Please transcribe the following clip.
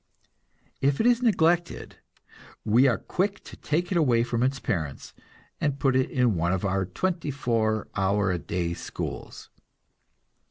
If it is neglected, we are quick to take it away from its parents, and put it in one of our twenty four hour a day schools.